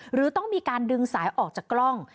หรือต้องมีการดึงสายออกจากกล้อง